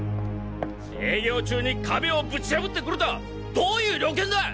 営業中に壁をぶち破ってくるたあどういう了見だ！